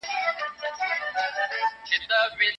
د کندهار کلاوي د ميرويس خان نيکه په وخت کي څنګه ورغول سوي؟